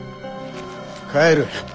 帰る。